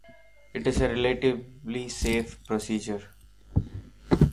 It is a relatively safe procedure.